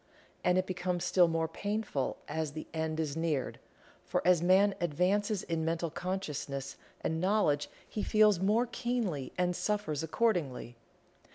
And it becomes still more painful as the end is neared, for as man advances in mental consciousness and knowledge he feels more keenly and suffers accordingly.